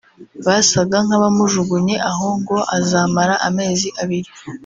bagasa nk’abamujugunye aho ngo azamara amezi abiri